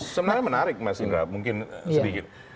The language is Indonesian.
sebenarnya menarik mas indra mungkin sedikit